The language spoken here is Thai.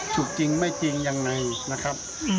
ถูกจริงไม่จริงยังไงนะครับ